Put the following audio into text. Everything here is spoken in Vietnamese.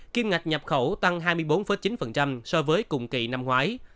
kim ngạch nhập khẩu tăng hai mươi bốn chín so với cùng kỳ năm ngoái